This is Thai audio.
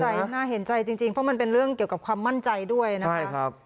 น่าเห็นใจจริงเพราะมันเป็นเรื่องเกี่ยวกับความมั่นใจด้วยนะครับ